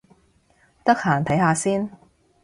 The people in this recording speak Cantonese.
得閒睇下先